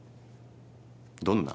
「どんな」？